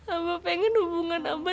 amba pengen hubungan amba